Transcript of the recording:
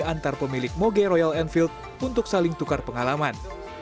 antar pemilik moge royal enfield untuk saling tukar pengalaman